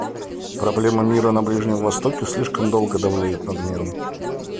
Проблема мира на Ближнем Востоке слишком долго довлеет над миром.